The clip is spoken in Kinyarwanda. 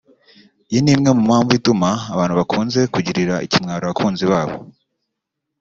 iyi nimwe mu mpamvu ituma abantu bakunze kugirira ikimwaro abakunzi babo